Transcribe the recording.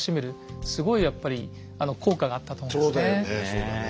そうだね。